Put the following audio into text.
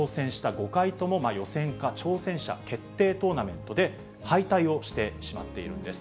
５回とも予選か挑戦者決定トーナメントで敗退をしてしまっているんです。